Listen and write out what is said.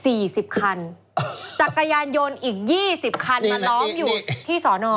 จักรยานยนต์อีก๒๐คันมาล้อมอยู่ที่สอนอ